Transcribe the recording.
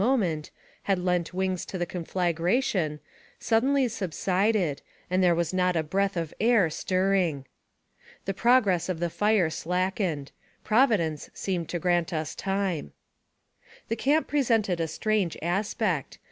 161 moment, had lent wings to the conflagration, suddenly subsided, and there was not a breath of air stirring. The progress of the fire slackened. Providence seemed to grant us time. The camp presented a strange aspect.